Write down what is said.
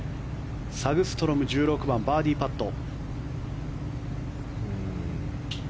サグストロム、１６番バーディーパット。